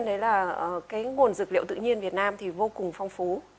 đấy là cái nguồn dược liệu tự nhiên việt nam thì vô cùng phong phú